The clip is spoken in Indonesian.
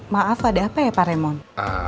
maaf ada apa ya pak remon